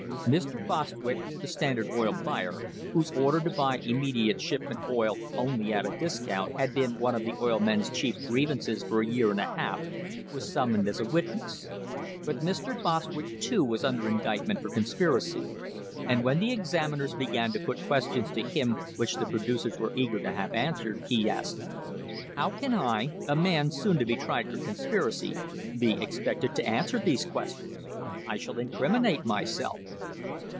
Mr. Bostwick, the Standard Oil buyer, whose order to buy immediate shipment oil only at a discount had been one of the oil men's chief grievances for a year and a half, was summoned as a witness; but Mr. Bostwick too was under indictment for conspiracy, and when the examiners began to put questions to him which the producers were eager to have answered, he asked: "How can I, a man soon to be tried for conspiracy, be expected to answer these questions? I shall incriminate myself."